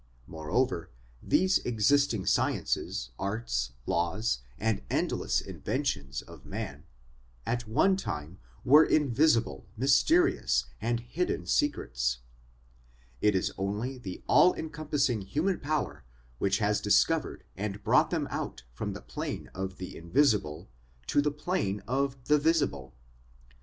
Moreover, these exist ing sciences, arts, laws, and endless inventions of man at one time were invisible, mysterious, and hidden secrets ; it is only the all encompassing human power which has discovered and brought them out from the TOWERS AND CONDITIONS OF MAN 217 plane of the invisible to the plane of the visible.